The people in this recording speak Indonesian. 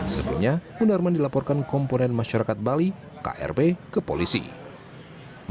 sebelumnya munarman dilaporkan komponen masyarakat bali krp kepolisian